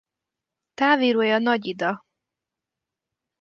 Távirója Nagy-Ida.